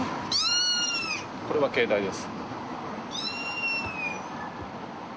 これは携帯です。